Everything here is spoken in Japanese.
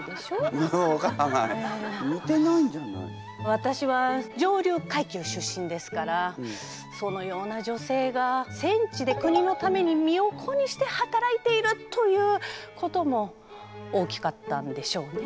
わたしは上流階級出身ですからそのような女性が戦地で国のために身を粉にして働いているということも大きかったんでしょうね。